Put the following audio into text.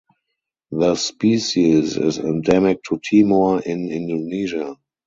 The species is endemic to Timor in Indonesia.